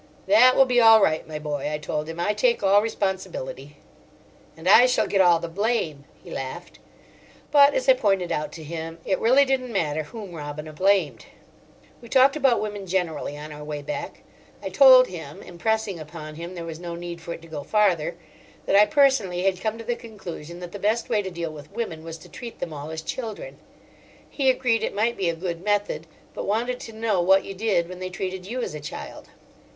"That will be all right, my boy," I told him; "I take all responsibility." "And I shall get all the blame," he laughed. But, as I pointed out to him, it really didn't matter whom Robina blamed. We talked about women generally on our way back. I told him—impressing upon him there was no need for it to go farther—that I personally had come to the conclusion that the best way to deal with women was to treat them all as children. He agreed it might be a good method, but wanted to know what you did when they treated you as a child.